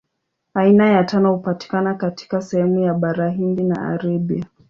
Aina ya tano hupatikana katika sehemu ya Bara Hindi na Arabia.